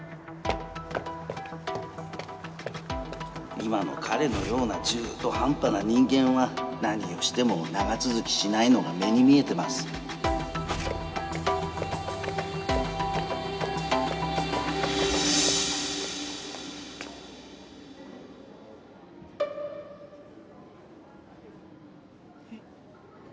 今の彼のような中途半端な人間は何をしても長続きしないのが目に見えてますえ？